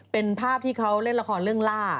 เป็นภาพที่เขาเล่นละครเรื่องล่า